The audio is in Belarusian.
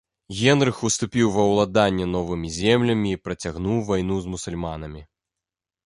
Генрых уступіў ва ўладанне новымі землямі і працягнуў вайну з мусульманамі.